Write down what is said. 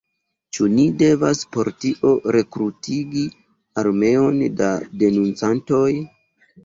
Ĉu ni devas por tio rekrutigi armeon da denuncantoj?